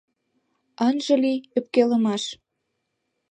Ынже лий ӧпкелымаш».